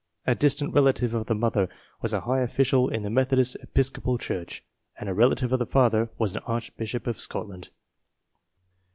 A dis tant relative of the mother was a high official in the Methodist Episcopal Church, and a relative of the father was an archbishop of Scotland.